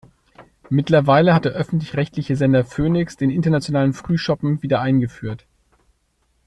Mittlerweile hat der öffentlich-rechtliche Sender Phoenix den Internationalen Frühschoppen wiedereingeführt.